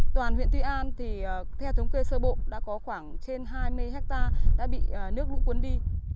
toàn huyện tuy an thì theo thống kê sơ bộ đã có khoảng trên hai mươi hectare đã bị nước lũ cuốn đi